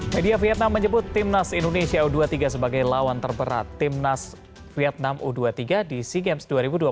media vietnam menyebut timnas indonesia u dua puluh tiga sebagai lawan terberat timnas vietnam u dua puluh tiga di sea games dua ribu dua puluh tiga